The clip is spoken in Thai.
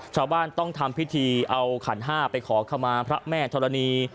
ชาวบ้านต้องทำพิธีเอาขันห้าไปขอขมาพระแม่ธรณี